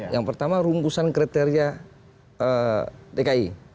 yang pertama rungkusan kriteria dki